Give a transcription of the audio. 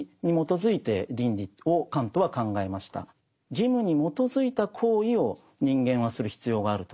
義務に基づいた行為を人間はする必要があると。